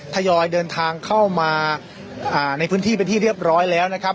ทยอยเดินทางเข้ามาในพื้นที่เป็นที่เรียบร้อยแล้วนะครับ